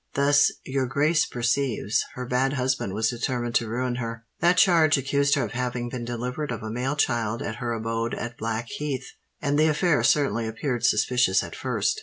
Thus, your grace perceives, her bad husband was determined to ruin her. That charge accused her of having been delivered of a male child at her abode at Blackheath; and the affair certainly appeared suspicious at first.